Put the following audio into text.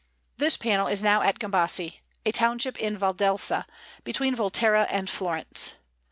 This panel is now at Gambassi, a township in Valdelsa, between Volterra and Florence.